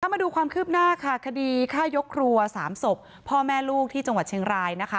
มาดูความคืบหน้าค่ะคดีฆ่ายกครัว๓ศพพ่อแม่ลูกที่จังหวัดเชียงรายนะคะ